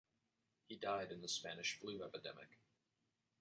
He died in the Spanish flu epidemic.